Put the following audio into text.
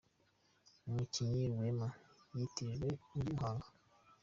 Umukinnyi Rwema yatijwe muri Muhanga